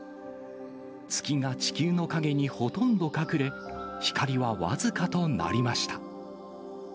月が地球の影にほとんど隠れ、光は僅かとなりました。